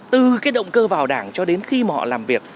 từ cái động cơ vào đảng cho đến khi mà họ làm việc